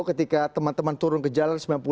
ketika teman teman turun ke jalan sembilan puluh delapan